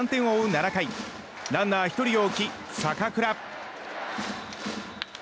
７回ランナー１人を置き坂倉。